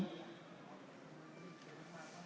อยากได้